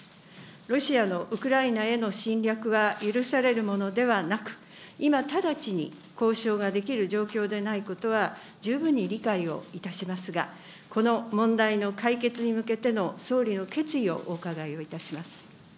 ロシアのウクライナへの侵略は許されるものではなく、今直ちに交渉ができる状況でないことは十分に理解をいたしますが、この問題の解決に向けての総理の決意をお伺いをいたします。